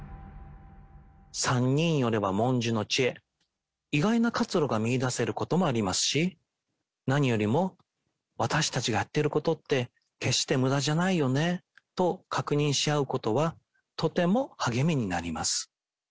三人寄れば文殊の知恵、意外な活路が見いだせることもありますし、何よりも私たちがやっていることって決して無駄じゃないよねと確認し合うことは、とても励みになります。